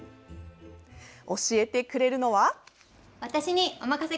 教えてくれるのは。